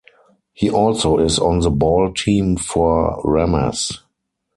He also is on the ball team for ramaz.